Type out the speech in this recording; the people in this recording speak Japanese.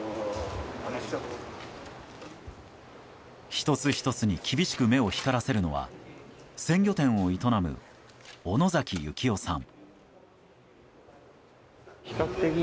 １つ１つに厳しく目を光らせるのは鮮魚店を営む小野崎幸雄さん。